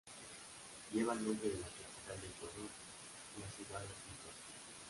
Lleva el nombre de la capital de Ecuador, la ciudad de Quito.